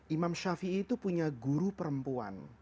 imam shafi'i itu punya guru perempuan